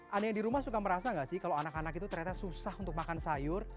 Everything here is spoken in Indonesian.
anda yang di rumah suka merasa nggak sih kalau anak anak itu ternyata susah untuk makan sayur